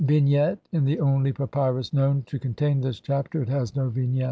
] Vignette : In the only papyrus known to contain this Chapter it has no vignette.